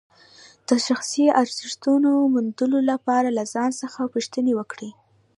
د شخصي ارزښتونو موندلو لپاره له ځان څخه پوښتنې وکړئ.